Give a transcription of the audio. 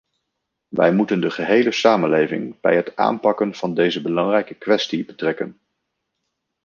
Wij moeten de gehele samenleving bij het aanpakken van deze belangrijke kwestie betrekken.